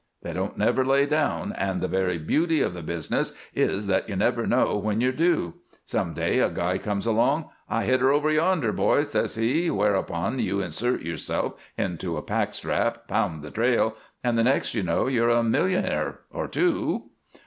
They don't never lay down, and the very beauty of the business is that you never know when you're due. Some day a guy comes along: 'I hit her over yonder, bo,' says he, whereupon you insert yourself into a pack strap, pound the trail, and the next you know you're a millionaire or two."